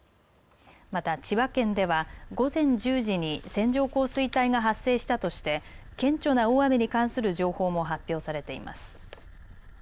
また千葉県では午前１０時に線状降水帯が発生したとして顕著な大雨に関する情報も発表されています。